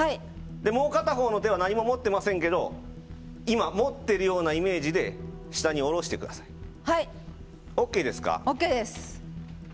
もう片方の手は何も持ってませんけど今、持ってるようなイメージで下に下ろしてください。